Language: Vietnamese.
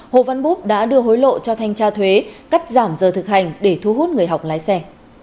hồ văn bút đã đưa hối lộ cho thanh tra thuế cắt giảm giờ thực hành để thu hút người học lái xe